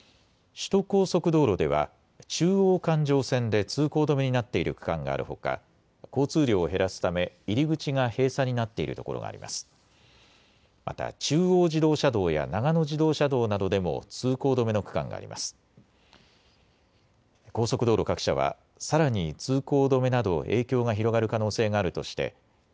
首都高速道路では中央環状線で通行止めになっている区間があるほか交通量を減らすため入り口が閉鎖になっているところがあります。